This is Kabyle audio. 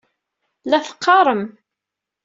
La teqqaṛem.